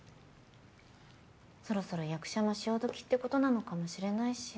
そろそろ役者も潮時って事なのかもしれないし。